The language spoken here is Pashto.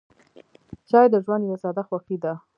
چای د ژوند یوه ساده خوښي ده.